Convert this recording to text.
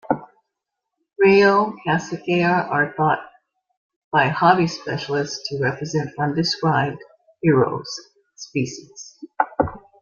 "Rio Casiquiare" are thought by hobby specialists to represent undescribed "Heros" species.